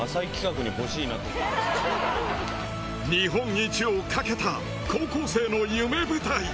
日本一をかけた高校生の夢舞台。